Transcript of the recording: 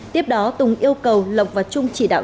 tiếp đó tùng yêu cầu lộc và trung chỉ đạo